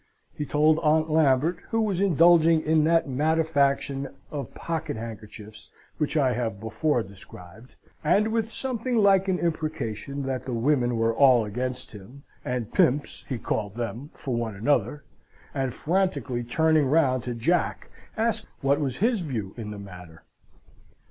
he told Aunt Lambert (who was indulging in that madefaction of pocket handkerchiefs which I have before described), and with something like an imprecation, that the women were all against him, and pimps (he called them) for one another; and frantically turning round to Jack, asked what was his view in the matter?